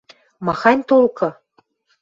— Махань толкы?